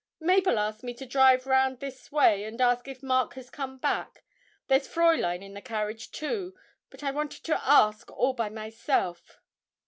'Mabel asked me to drive round this way and ask if Mark has come back. There's Fräulein in the carriage too, but I wanted to ask all by myself.'